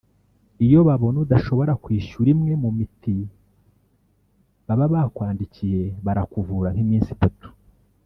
iyo babona udashobora kwishyura imwe mu miti baba bakwandikiye barakuvura nk’iminsi itatu